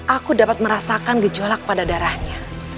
aku dapat merasakan gejolak pada darahnya